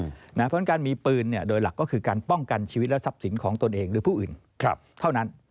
เพราะฉะนั้นการมีปืนโดยหลักก็คือการป้องกันชีวิตและทรัพย์สินของตนเองหรือผู้อื่นเท่านั้น